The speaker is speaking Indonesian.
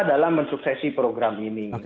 dalam mensuksesi program ini